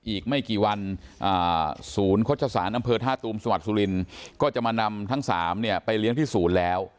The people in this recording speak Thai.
อีกไม่กี่วันศูนย์โฆษศาลอำเภอท่าตูมจังหวัดสุรินทร์ก็จะมานำทั้ง๓เนี่ยไปเลี้ยงที่ศูนย์แล้ว